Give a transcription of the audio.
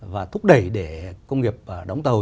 và thúc đẩy để công nghiệp đóng tàu